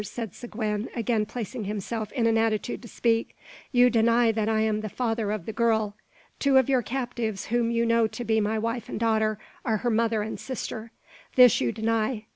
said Seguin, again placing himself in an attitude to speak, "you deny that I am the father of the girl. Two of your captives, whom you know to be my wife and daughter, are her mother and sister. This you deny.